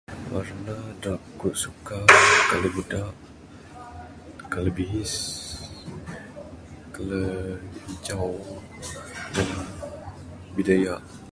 Warna da aku'k suka da kaler budak, kaler bihis, kaler hijau dengan bidayak.